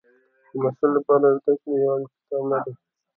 د محصل لپاره زده کړه یوازې کتاب نه ده.